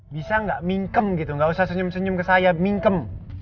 bisa nggak mingkem gitu gak usah senyum senyum ke saya minkem